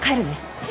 えっ？